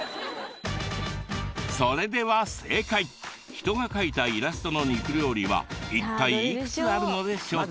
人が描いたイラストの肉料理はいったいいくつあるのでしょうか？